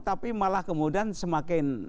tapi malah kemudian semakin